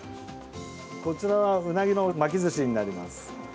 こちらはウナギの巻きずしになります。